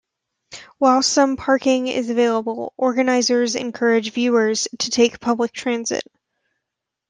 While some parking is available, organizers encourage viewers to take public transit.